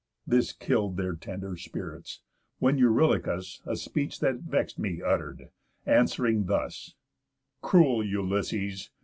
This kill'd Their tender spirits; when Eurylochus A speech that vex'd me utter'd, answ'ring thus: 'Cruel Ulysses!